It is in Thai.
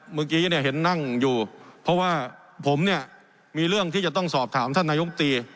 เมื่อกี้เนี่ยเห็นนั่งอยู่เพราะว่าผมเนี่ยมีเรื่องที่จะต้องสอบถามท่านนายกตรี